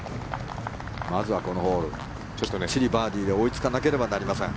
まずはこのホールきっちりバーディーで追いつかなければなりません。